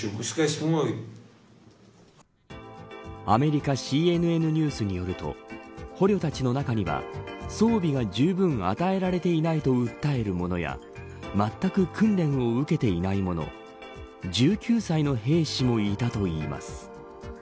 アメリカＣＮＮニュースによると捕虜たちの中には装備がじゅうぶん与えられていないと訴えるものやまったく訓練を受けていないもの１９歳の兵士もいたといいます。